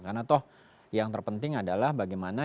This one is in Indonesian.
karena toh yang terpenting adalah bagaimana